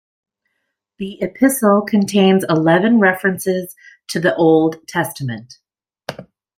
The epistle contains eleven references to the Old Testament.